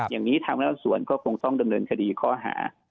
อย่างนี้ทางคณะสวนก็คงต้องดำเนินคดีข้อหา